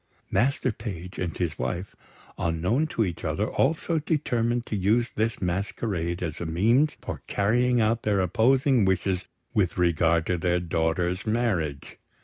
Master Page and his wife, unknown to each other, also determined to use this masquerade as a means for carrying out their opposing wishes with regard to their daughter's marriage.